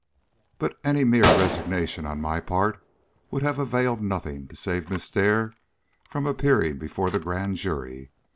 But any mere resignation on my part would have availed nothing to save Miss Dare from appearing before the Grand Jury.